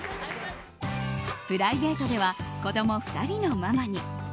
プライベートでは子供２人のママに。